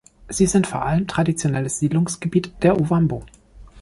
Sie sind vor allem traditionelles Siedlungsgebiet der Ovambo.